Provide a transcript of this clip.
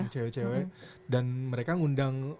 cewek cewek dan mereka ngundang